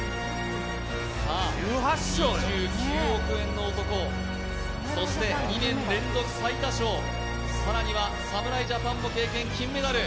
２９億円の男、そして２年連続最多勝、更には、侍ジャパンも経験、金メダル。